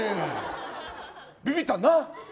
ビビったな？